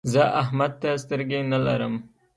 زه احمد ته سترګې نه لرم.